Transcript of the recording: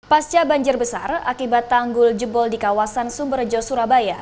pasca banjir besar akibat tanggul jebol di kawasan sumberjo surabaya